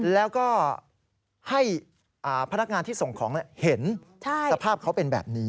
แล้วก็ให้พนักงานที่ส่งของเห็นสภาพเขาเป็นแบบนี้